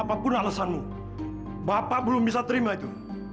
apapun alasanmu bapak belum bisa terima itu